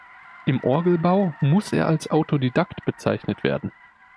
Im Orgelbau muss er als Autodidakt bezeichnet werden.